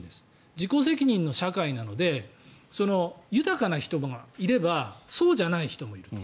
自己責任の社会なので豊かな人もいればそうじゃない人もいると。